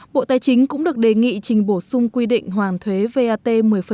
bộ tài chính cũng được đề nghị trình bổ sung quy định hoàn thuế vat một mươi